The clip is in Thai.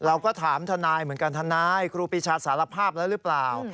เราก็ถามทนายเหมือนกันทนายครูปีชาสารภาพแล้วหรือเปล่า